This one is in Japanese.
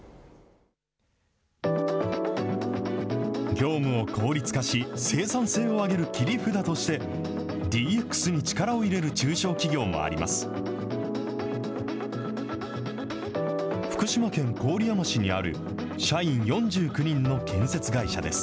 業務を効率化し、生産性を上げる切り札として、ＤＸに力を入れる中小企業もあります。